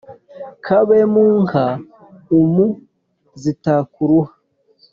Kabe mu nka umu zitakuruha